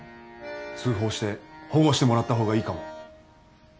通報して保護してもらった方がいいかも。